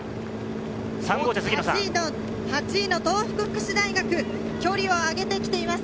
８位の東北福祉大学、距離をあけてきています。